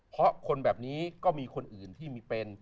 เพราะคนแบบนี้ก็มีคนอื่นที่มีเป็น